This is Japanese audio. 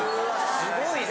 すごいね！